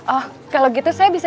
oh kalau gitu saya bisa